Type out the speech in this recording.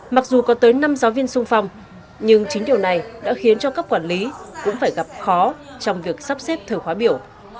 mặc dù có tới năm giáo viên sung phong nhưng chính điều này đã khiến cho cấp quản lý cũng phải gặp khó trong việc sắp xếp thờ khóa biểu